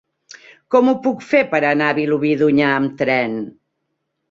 Com ho puc fer per anar a Vilobí d'Onyar amb tren?